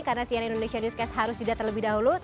karena sian indonesia newscast harus sudah terlebih dahulu